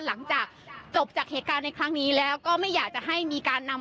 หลังจากจบจากเหตุการณ์ในครั้งนี้แล้วก็ไม่อยากจะให้มีการนำ